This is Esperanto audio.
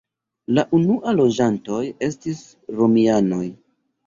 La unua loĝantoj estis romianoj.